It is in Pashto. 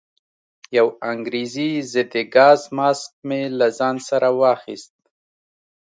یو انګریزي ضد ګاز ماسک مې له ځان سره واخیست.